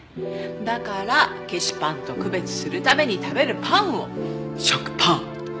だから消しパンと区別するために食べるパンを食パン。